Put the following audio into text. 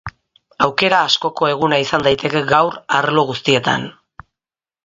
Aukera askoko eguna izan daiteke gaur arlo guztietan.